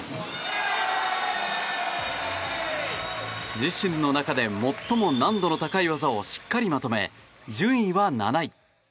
自身の中で最も難度の高い技をしっかりまとめ、順位は７位。